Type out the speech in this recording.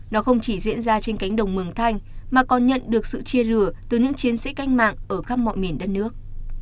nó không chỉ diễn ra trên cánh đồng mường thanh mà còn nhận được sự chia lửa từ những chiến sĩ canh mạng ở khắp mọi miền đất nước